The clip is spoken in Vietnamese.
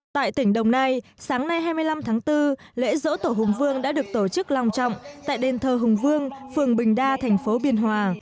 tại tỉnh đồng nai sáng nay hai mươi năm tháng bốn lễ dỗ tổ hùng vương đã được tổ chức lòng trọng tại đền thờ hùng vương phường bình đa thành phố biên hòa